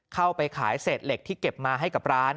เข้าไปขายเศษเหล็กที่เก็บมาให้กับร้าน